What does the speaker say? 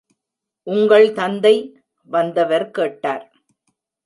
உங்கள் தந்தை? வந்தவர் கேட்டார்.